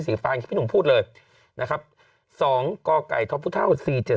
สีฟ้าอย่างที่พี่หนูพูดเลยนะครับ๒ก่อไก่ท็อปพุทัล๔๗๔๔